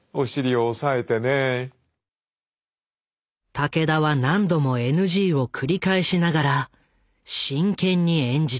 武田は何度もＮＧを繰り返しながら真剣に演じた。